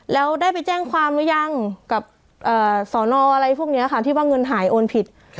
แล้วได้ไปแจ้งความหรือยังกับสอนออะไรพวกนี้ค่ะที่ว่าเงินหายโอนผิด